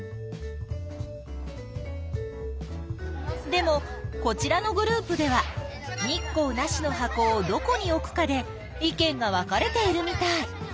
でもこちらのグループでは日光なしの箱をどこに置くかで意見が分かれているみたい。